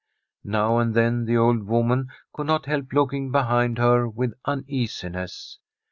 Now and then the old woman could not help looking behind her with uneasiness.